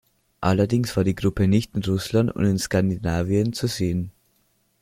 Allerdings war die Gruppe nicht in Russland und in Skandinavien zu sehen.